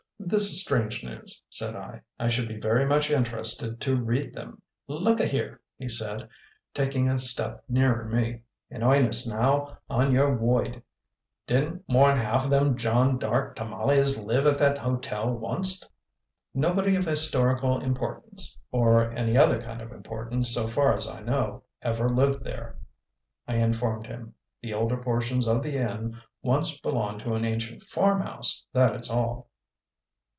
"This is strange news," said I. "I should be very much interested to read them!" "Lookahere," he said, taking a step nearer me; "in oinest now, on your woid: Didn' more'n half them Jeanne d'Arc tamales live at that hotel wunst?" "Nobody of historical importance or any other kind of importance, so far as I know ever lived there," I informed him. "The older portions of the inn once belonged to an ancient farm house, that is all."